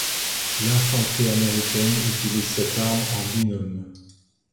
L'infanterie américaine utilise cette arme en binôme.